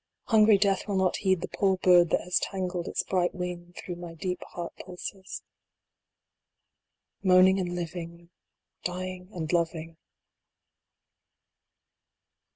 Hungry Death will not heed the poor bird that has tangled its bright wing through my deep heart pulses. Moaning and living. Dying and loving.